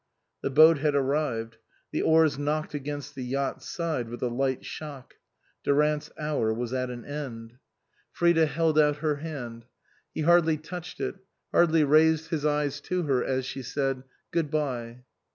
The boat had arrived. The oars knocked against the yacht's side with a light shock. Durant's hour was at an end. 187 THE COSMOPOLITAN Frida held out her hand. He hardly touched it, hardly raised his eyes to her as she said, " Good bye."